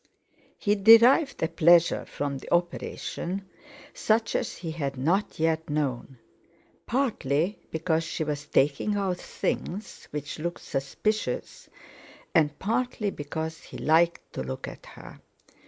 He derived a pleasure from the operation such as he had not yet known, partly because she was taking out things which looked suspicious, and partly because he liked to look at her.